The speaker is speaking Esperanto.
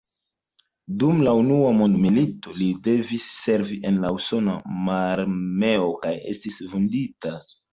Dum la Unua Mondmilito li devis servi en la usona mararmeo kaj estis vundita.